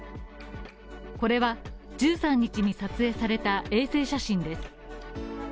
これは１３日に撮影された衛星写真です。